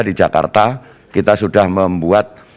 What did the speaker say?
di jakarta kita sudah membuat